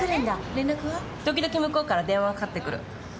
時々向こうから電話がかかってくる。